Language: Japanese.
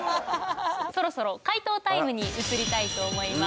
そろそろ解答タイムに移りたいと思います。